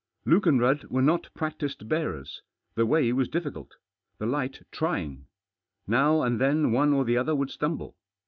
Luke and Rudd were not practised beards. The Way wals difficult. The light trying. Now and tiien One or the other would stumble.